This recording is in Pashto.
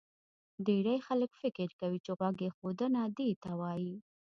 ډېری خلک فکر کوي چې غوږ ایښودنه دې ته وایي